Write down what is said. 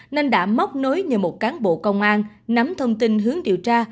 nên đã móc nối nhờ một cán bộ công an nắm thông tin hướng điều tra